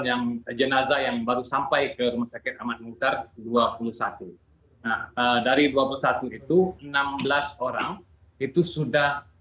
yang jenazah yang baru sampai ke rumah sakit ahmad muhtar dua puluh satu nah dari dua puluh satu itu enam belas orang itu sudah